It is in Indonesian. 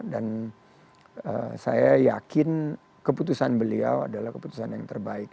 dan saya yakin keputusan beliau adalah keputusan yang terbaik